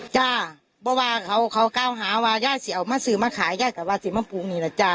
จ้าบอกว่าเขาเข้าหาว่าย่ายสิเอามาซื้อมาขายย่ายก็ว่าสิมาปลูกนี่แหละจ้า